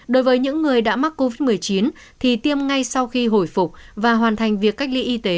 đối với những người đã mắc covid một mươi chín thì tiêm ngay sau khi hồi phục và hoàn thành việc cách ly y tế